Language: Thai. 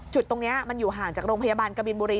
จุดตรงนี้มันอยู่ห่างจากโรงพยาบาลกบินบุรี